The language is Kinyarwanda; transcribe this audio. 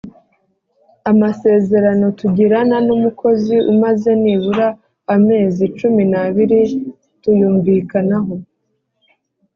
amasezerano tugirana numukozi umaze nibura amezi cumi nabiri tuyumvikanaho